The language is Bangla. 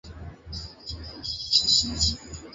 না, না, না, দাঁড়াও।